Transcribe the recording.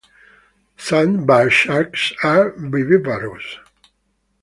Sandbar sharks are viviparous.